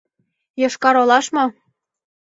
Йошкар-Олаш мо?